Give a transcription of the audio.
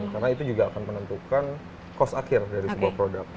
karena itu juga akan menentukan cost akhir dari sebuah produk